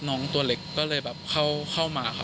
น้องตัวเล็กก็เลยเข้าเข้ามา